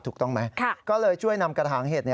ถูกต้องไหมก็เลยช่วยนำกระถางเห็ด